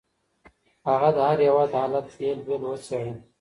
هغه د هر هېواد حالت بېل بېل وڅېړه.